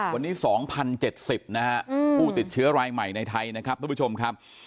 วันนี้๒๐๗๐นะฮะผู้ติดเชื้อรายใหม่ในไทยนะครับทุกผู้ชมครับ